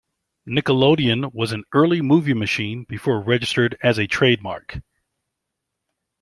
"Nickelodeon" was an early movie machine before registered as a trademark.